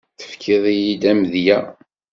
Tefkiḍ-d yir amedya.